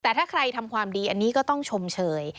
แต่ถ้าใครทำความดีอันนี้ก็ต้องชมเชย